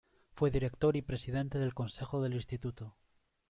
Fue director y presidente del consejo del Instituto.